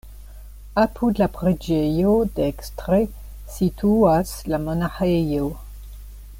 Apud la preĝejo dekstre situas la monaĥejo.